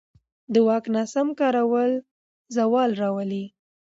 د واک ناسم کارول زوال راولي